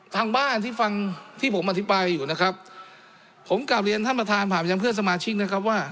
ทางบ้านที่ฟังที่ผมอธิบายอยู่นะครับผมกลับเรียนท่านประธานผ่านไปยังเพื่อนสมาชิกนะครับว่า